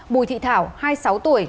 bùi thị thảo hai mươi sáu tuổi